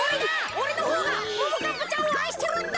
おれのほうがももかっぱちゃんをあいしてるんだ！